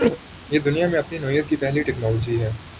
یہ دنیا میں اپنی نوعیت کی پہلی ٹکنالوجی ہے۔